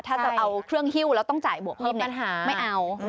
ถ้าจะเอาเครื่องฮิ้วแล้วต้องจ่ายบวกเพิ่มไม่เอา